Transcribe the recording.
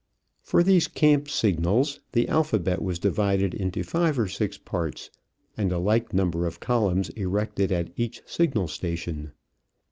For these camp signals the alphabet was divided into five or six parts, and a like number of columns erected at each signal station.